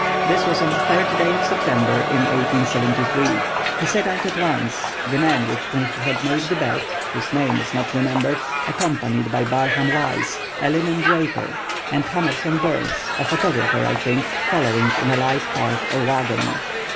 This was on the 3d day of September in 1873. He set out at once, the man with whom he had made the bet—whose name is not remembered—accompanied by Barham Wise, a linen draper, and Hamerson Burns, a photographer, I think, following in a light cart or wagon.